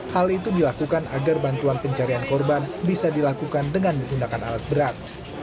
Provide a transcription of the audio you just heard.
hal itu dilakukan agar bantuan pencarian korban bisa dilakukan dengan menggunakan alat berat